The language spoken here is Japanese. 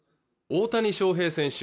大谷翔平選手